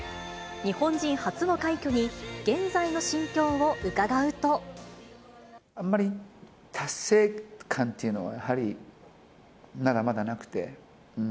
日本人初の快挙に、あんまり達成感っていうのはやはり、まだまだなくて。